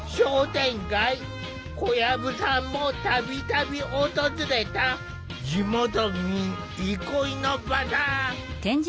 小籔さんも度々訪れた地元民憩いの場だ。